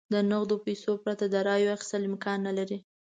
د نغدو پیسو پرته د رایو اخیستل امکان نه لري.